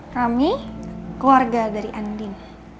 rami keluarga dari andin